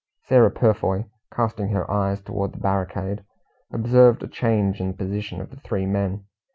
Sarah Purfoy, casting her eyes toward the barricade, observed a change in the position of the three men.